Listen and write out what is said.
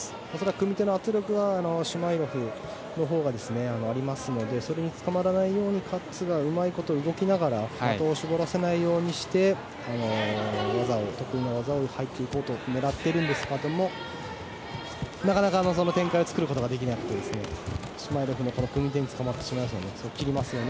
組み手の圧力はシュマイロフのほうがありますのでそれにつかまらないようにカッツがうまいこと動きながら的を絞らせないようにして得意の技に入っていこうと狙っているんですがなかなか望む展開を作ることができなくてシュマイロフの組み手につかまってしまいますね。